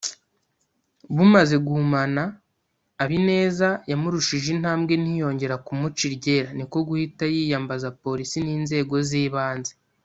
Bumaze guhumana Abineza yamurushije intambwe ntiyongera kumuca iryera niko guhita yiyambaza Polisi n’inzego z’ibanze